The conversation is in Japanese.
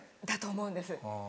だと思うんです。